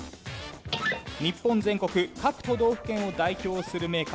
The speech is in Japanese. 日本全国各都道府県を代表する銘菓